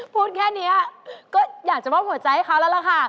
พูดแค่นี้ก็อยากจะมอบหัวใจให้เขาแล้วล่ะค่ะ